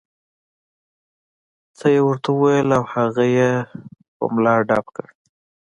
څه یې ورته وویل او هغه یې په ملا ډب کړ.